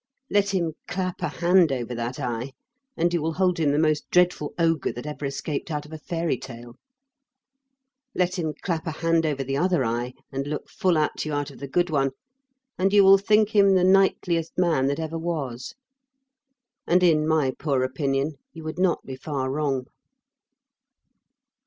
Let him clap a hand over that eye and you will hold him the most dreadful ogre that ever escaped out of a fairy tale. Let him clap a hand over the other eye and look full at you out of the good one and you will think him the Knightliest man that ever was and in my poor opinion, you would not be far wrong.